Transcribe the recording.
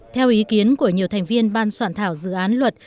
theo ý kiến của nhiều thành viên ban soạn thảo dự án luật